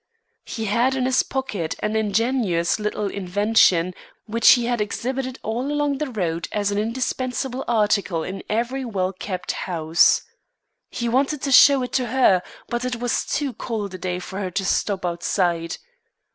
He had in his pocket an ingenious little invention which he had exhibited all along the road as an indispensable article in every well kept house. He wanted to show it to her, but it was too cold a day for her to stop outside.